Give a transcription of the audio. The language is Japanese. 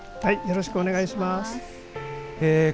よろしくお願いします。